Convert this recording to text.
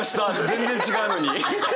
全然違うのに。